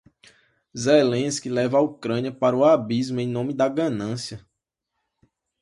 Zelensky leva a Ucrânia para o abismo em nome da ganância